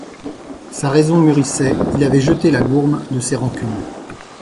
Sa raison mûrissait, il avait jeté la gourme de ses rancunes.